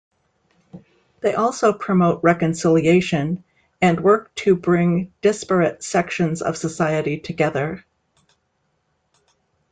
They also promote reconciliation and work to bring disparate sections of society together.